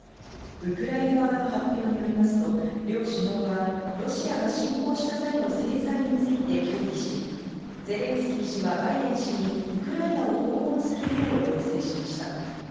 ウクライナ側の発表によりますと両首脳は、ロシアが侵攻した際の制裁について協議し、ゼレンスキー氏はバイデン氏にウクライナを訪問するよう要請しました。